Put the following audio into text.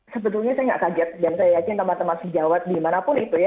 sebetulnya saya tidak kaget dan saya yakin teman teman si jawat dimanapun itu ya